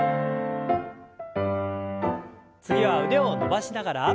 次は腕を伸ばしながら。